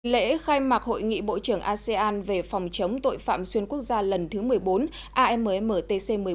lễ khai mạc hội nghị bộ trưởng asean về phòng chống tội phạm xuyên quốc gia lần thứ một mươi bốn ammtc một mươi bốn